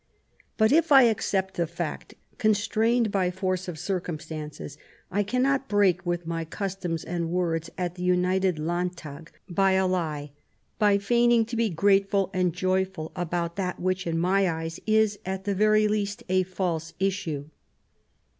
But if I accept the fact, constrained by force of circum stances, I cannot break with my actions and words at the United Landtag by a lie, by feigning to be grateful and joyful about that which in my eyes is, at the very least, a false issue."